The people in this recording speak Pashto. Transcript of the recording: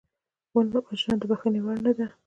وژنه د بښنې وړ نه ده